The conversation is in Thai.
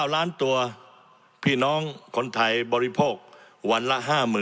ล้านตัวพี่น้องคนไทยบริโภควันละ๕๐๐๐